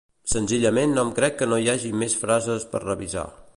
Senzillament no em crec que no hi hagi més frases per revisar.